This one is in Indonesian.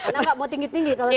karena tidak mau tinggi tinggi